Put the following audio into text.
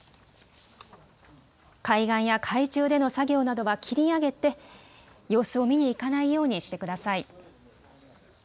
海岸や海中での作業などは切り上げて様子を見に行かないようにしてください。